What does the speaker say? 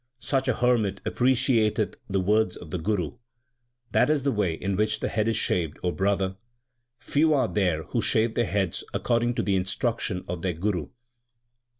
Such a hermit appreciateth the words of the guru ; That is the way in which the head is shaved, O brother. Few are there who shave their heads according to the instruction of their guru.